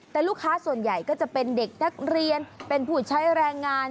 แต่ลูกค้าส่วนใหญ่ก็จะเป็นเด็กนักเรียนเป็นผู้ใช้แรงงาน